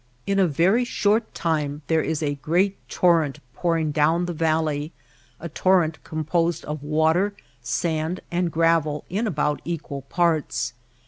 In a very short time there is a great torrent pouring down the valley — a torrent composed of water, sand, and gravel in about equal parts.